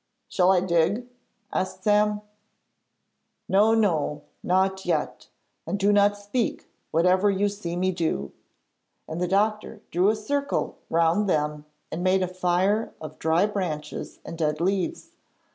'Shall I dig?' asked Sam. 'No! no! not yet. And do not speak, whatever you see me do,' and the doctor drew a circle round them and made a fire of dry branches and dead leaves.